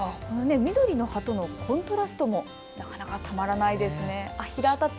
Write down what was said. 緑の葉とのコントラストもなかなかたまらないですね。